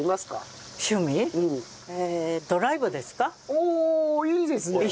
おおいいですね。